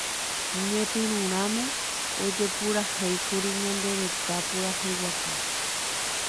Ñepyrũrãme ojepurahéikuri Ñane Retã Purahéi Guasu.